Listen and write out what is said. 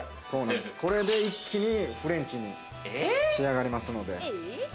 そうです、これで一気にフレンチに仕上がります。